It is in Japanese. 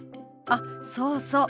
あっそうそう。